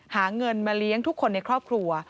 หาเงินมาเลี้ยงทุกคนในครอบครัว